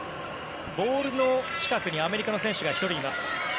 ボールの近くにアメリカの選手が１人います。